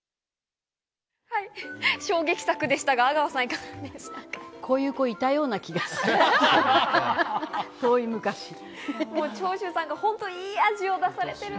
衝撃作でしたが、阿川さん、こういう子いたような気がする。